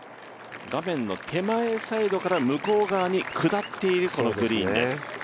画面の手前サイドから向こう側に下っている、このグリーンです。